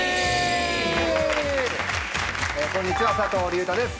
こんにちは佐藤隆太です